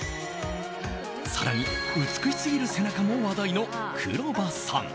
更に、美しすぎる背中も話題の黒羽さん。